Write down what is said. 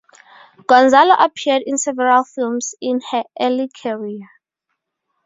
Gonzalo appeared in several films in her early career.